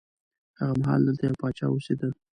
هغه مهال دلته یو پاچا اوسېده.